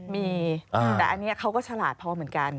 มีแต่อันนี้เขาก็ฉลาดพอเหมือนกัน